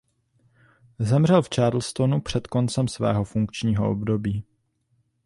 Zemřel v Charlestonu před koncem svého funkčního období.